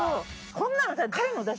こんなのさ。